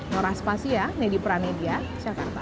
norah spasi ya nedi pranedia jakarta